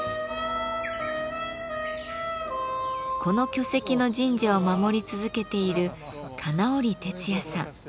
この巨石の神社を守り続けている金折徹也さん。